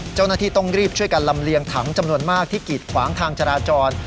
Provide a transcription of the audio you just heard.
เจ้าหน้าที่ต้องรีบช่วยกันลำเลียงถังจำนวนมากที่กีดขวางทางจราจร